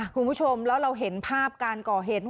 คุณผู้ชมแล้วเราเห็นภาพการก่อเหตุ